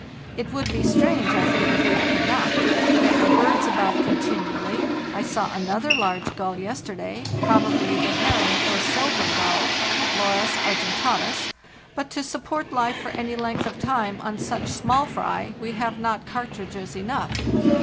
It would be strange, I think, if we could not. There are birds about continu ally; I saw another large gull yesterday, probably the herring or silver gull (Larus argentatus); but to sup port life for any length of time on such small fry we have not cartridges enough.